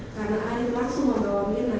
karena alih langsung membawa mirna